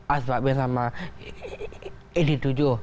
asfabir sama edith tujuh